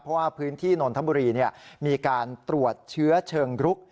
เพราะว่าพื้นที่นนทบุรีมีการตรวจเชื้อเชิงรุก